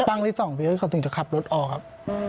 ตั้งได้๒ปีเขาถึงจะขับรถออกครับ